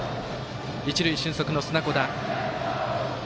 一塁、俊足の砂子田。